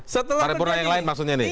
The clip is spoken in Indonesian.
paripurna yang lain maksudnya ini